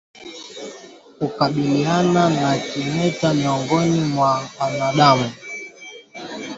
Kukabiliana na kimeta miongoni mwa wanadamu